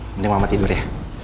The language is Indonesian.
mending mama tidur ya